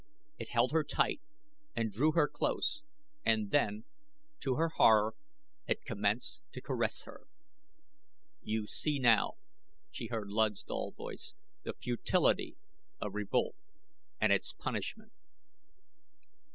It held her tight and drew her close, and then, to her horror, it commenced to caress her. "You see now," she heard Luud's dull voice, "the futility of revolt and its punishment."